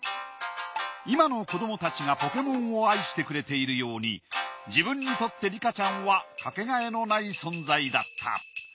今の子どもたちがポケモンを愛してくれているように自分にとってリカちゃんはかけがえのない存在だった。